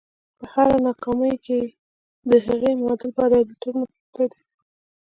په هره ناکامۍ کې د هغې معادل بریالیتوب نغښتی دی